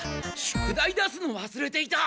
宿題出すのわすれていた！